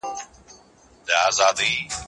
هغه څوک چي لاس مينځي روغ وي؟